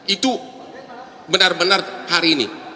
itu benar benar hari ini